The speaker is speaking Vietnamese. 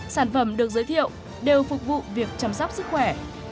sản phẩm được giới thiệu đều phục vụ việc chăm sóc sức khỏe